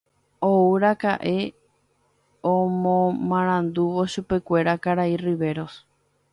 Ouraka'e omomarandúvo chupekuéra karai Riveros.